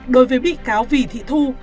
đối với bị cáo vì thị thu